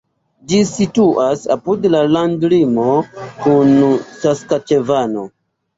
Ĝi situas apud la landlimo kun Saskaĉevano.